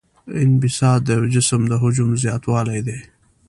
انبساط د یو جسم د حجم زیاتوالی دی.